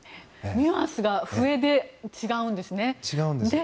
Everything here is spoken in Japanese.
ニュアンスが笛で違うんですね。